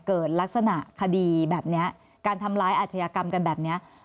เกิดลักษณะคดีแบบนี้การทำร้ายอาชญากรรมกันแบบนี้